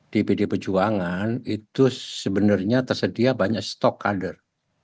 di pdi perjuangan itu sebenarnya tersedia banyak stock order